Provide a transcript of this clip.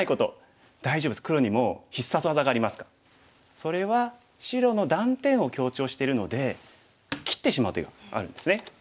それは白の断点を強調してるので切ってしまう手があるんですね。